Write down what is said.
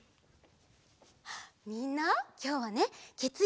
みんなきょうはねげつ